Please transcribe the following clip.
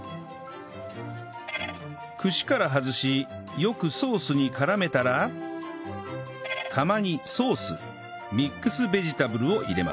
串から外しよくソースに絡めたら釜にソースミックスベジタブルを入れます